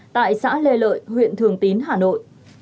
tại xã lê lợi huyện thường tín hà nội